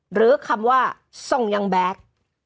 หรือคำว่าทรงอย่างแบด